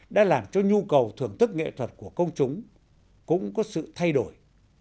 đã làm cho nhu cầu thưởng thức nghệ thuật của công chúng cũng có sự thay đổi